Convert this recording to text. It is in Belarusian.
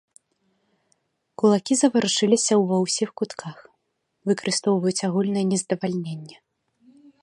Кулакі заварушыліся ўва ўсіх кутках, выкарыстоўваюць агульнае нездавальненне.